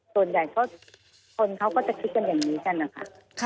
ส่วนใหญ่ก็คนเขาก็จะคิดกันอย่างนี้กันนะคะ